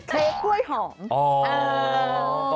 เค้กกล้วยหอม